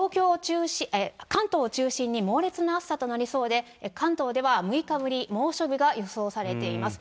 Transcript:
関東を中心に猛烈な暑さとなりそうで、関東では６日ぶり、猛暑日が予想されています。